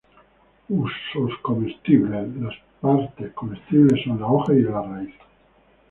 Usos comestibles: las partes comestibles son: Las hojas y raíz.